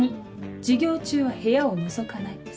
２授業中は部屋をのぞかない。